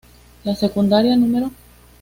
La Secundaria No.